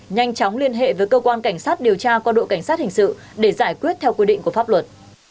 nhanh chóng liên hệ với cơ quan cảnh sát điều tra qua đội cảnh sát hình sự để giải quyết theo quy định của pháp luật